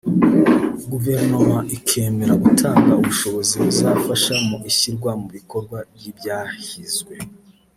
guverinoma ikemera gutanga ubushobozi buzafasha mu ishyirwa mu bikorwa ry’ ibyahizwe